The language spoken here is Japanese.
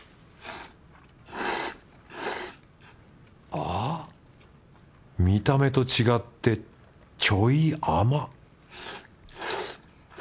あっ見た目と違ってちょい甘